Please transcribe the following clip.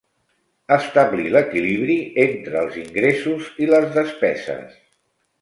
Establir l'equilibri entre els ingressos i les despeses.